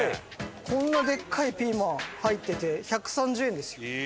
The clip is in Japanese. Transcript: こんなでっかいピーマン入ってて１３０円ですよ。